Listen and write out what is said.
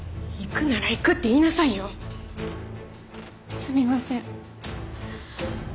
すみません。